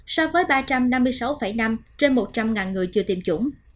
so với ba trăm năm mươi sáu năm trên một trăm linh người chưa tiêm chủng